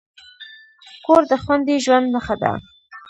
کور د خوندي ژوند نښه ده.